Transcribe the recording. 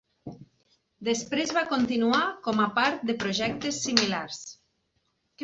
Després va continuar com a part de projectes similars.